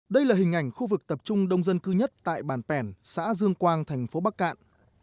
đây là hình ảnh khu vực tập trung đông dân cư nhất tại bản pẻn xã dương quang thành phố bắc cạn